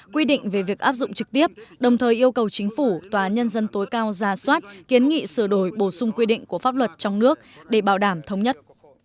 quy định về việc áp dụng trực tiếp đồng thời yêu cầu chính phủ tòa nhân dân tối cao ra soát kiến nghị sửa đổi bổ sung quy định của pháp luật trong nước để bảo đảm thống nhất